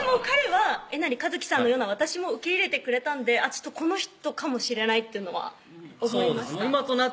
彼はえなりかずきさんのような私も受け入れてくれたんでちょっとこの人かもしれないというのは思いました